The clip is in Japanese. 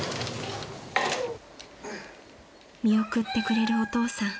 ［見送ってくれるお父さん］